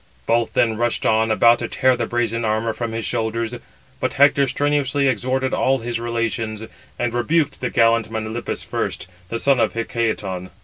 Both then rushed on, about to tear the brazen armour from his shoulders; but Hector strenuously exhorted all his relations, and rebuked the gallant Melanippus first, the son of Hicetaon.